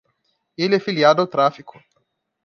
Ele é filiado ao tráfico.